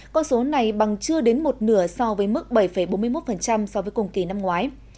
con số này bằng chưa đến một nửa so với mức bảy bốn mươi một so với cùng kỳ năm ngoái